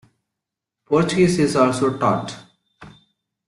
Portuguese is also taught.